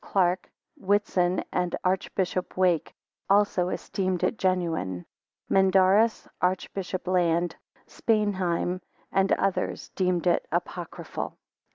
Clark, Whitson, and Archbishop Wake also esteemed it genuine: Menardus, Archbishop Land, Spanheim, and others deemed it apocryphal.